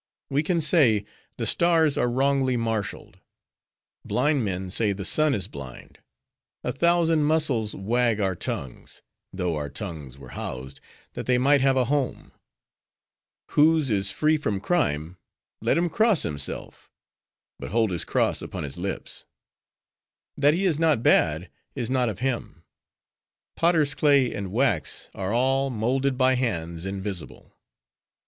We can say, the stars are wrongly marshaled. Blind men say the sun is blind. A thousand muscles wag our tongues; though our tongues were housed, that they might have a home. Whose is free from crime, let him cross himself—but hold his cross upon his lips. That he is not bad, is not of him. Potters' clay and wax are all, molded by hands invisible.